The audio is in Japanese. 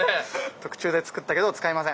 特注でつくったけど使いません。